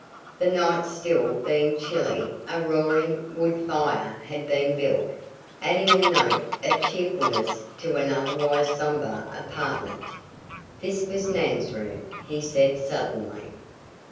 The nights still being chilly, a roaring wood fire had been built, adding a note of cheerfulness to an otherwise sombre apartment. "This was Nan's room," he said suddenly.